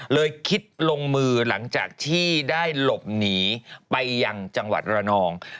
เลยคิดลงมือหลังจากที่ได้หลบหนีไปยังจังหวัดระนอง